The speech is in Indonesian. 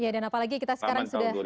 dan apalagi kita sekarang sudah